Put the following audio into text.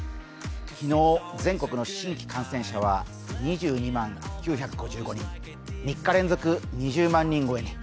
昨日全国の新規感染者は２２万９５５人となり、３日連続２０万人超えに。